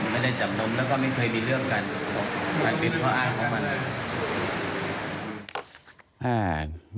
มันเป็นข้ออ้างของมัน